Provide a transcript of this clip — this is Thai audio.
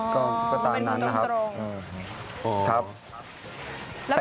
อ๋อเป็นคุณตรงนะครับอ๋อครับเป็นคุณตรง